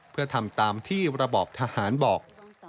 เพื่อทำตามที่ระบอบทหารบอก